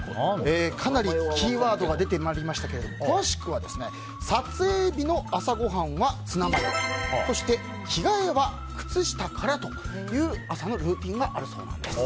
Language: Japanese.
かなりキーワードが出てまいりましたが詳しくは撮影日の朝ごはんはツナマヨそして着替えは靴下からという朝のルーティンがあるそうです。